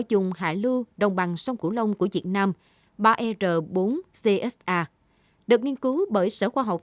vùng hải lưu đồng bằng sông cửu long của việt nam được nghiên cứu bởi sở khoa học